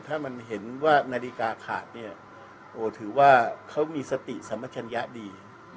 ถ้ามันเห็นว่านาฬิกาขาดเนี่ยโอ้ถือว่าเขามีสติสัมปัชญะดี